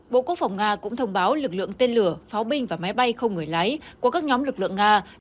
bộ quốc phòng nga cũng thông báo lực lượng tên lửa pháo binh và máy bay không người lái của các nhóm lực lượng nga